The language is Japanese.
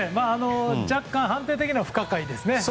若干判定的には不可解ですね。